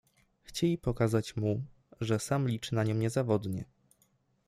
Chcieli pokazać mu, że sam liczy na nią niezawodnie.